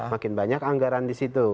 makin banyak anggaran di situ